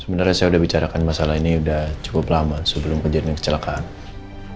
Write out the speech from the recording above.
sebenarnya saya sudah bicarakan masalah ini sudah cukup lama sebelum kejadian kecelakaan